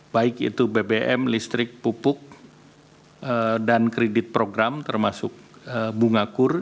baik itu bbm listrik pupuk dan kredit program termasuk bunga kur